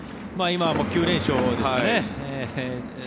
今も９連勝ですよね。